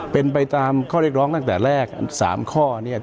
เป็นไปตามข้อเรียกร้องตั้งแต่แรก๓ข้อเนี่ย